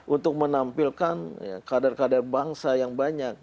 untuk menampilkan kadar kadar bangsa yang banyak